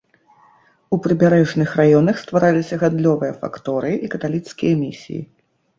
У прыбярэжных раёнах ствараліся гандлёвыя факторыі і каталіцкія місіі.